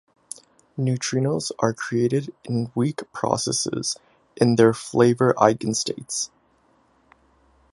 Neutrinos are created in weak processes in their flavor eigenstates.